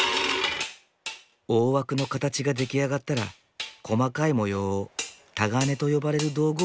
大枠の形が出来上がったら細かい模様をタガネと呼ばれる道具を使って彫っていく。